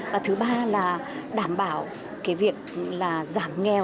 và thứ ba là đảm bảo việc giảm nghèo gắn với việc làm và sinh kế cho phụ nữ nghèo